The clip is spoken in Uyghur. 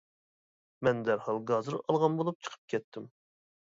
مەن دەرھال گازىر ئالغان بولۇپ چىقىپ كەتتىم.